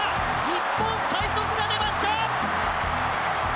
日本最速が出ました！